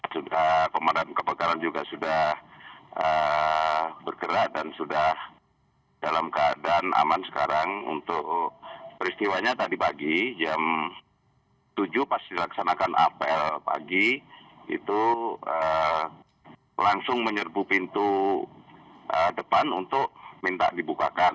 sudah kebakaran juga sudah bergerak dan sudah dalam keadaan aman sekarang untuk peristiwanya tadi pagi jam tujuh pas dilaksanakan apel pagi itu langsung menyerbu pintu depan untuk minta dibukakan